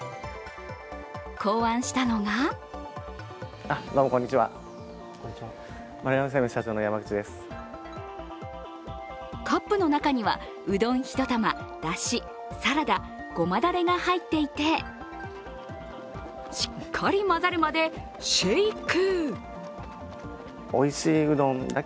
考案したのがカップの中にはうどん１玉、だし、サラダごまだれが入っていて、しっかり混ざるまでシェイク。